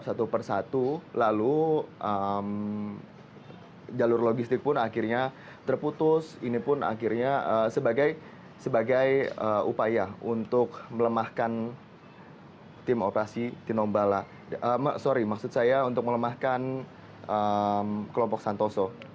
sorry maksud saya untuk melemahkan kelompok santoso